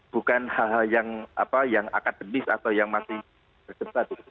bukan hal hal yang apa yang akademis atau yang masih berdebat itu